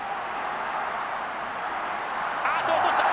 あっと落とした。